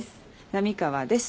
波川です